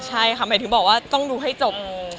ใช่ค่ะหมายถึงบอกว่าต้องดูให้จบ